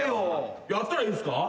やったらいいんすか？